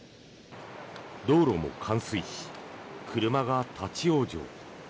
道路も冠水し、車が立ち往生。